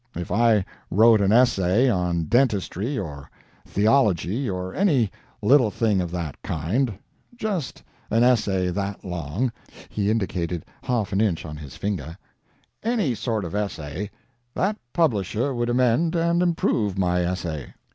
If I wrote an essay on dentistry or theology or any little thing of that kind—just an essay that long (he indicated half an inch on his finger), any sort of essay—that publisher would amend and improve my essay.